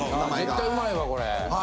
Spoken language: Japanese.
絶対うまいわこれ。